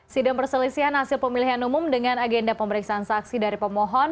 sidang perselisihan hasil pemilihan umum dengan agenda pemeriksaan saksi dari pemohon